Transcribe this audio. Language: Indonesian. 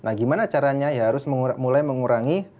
nah gimana caranya ya harus mulai mengurangi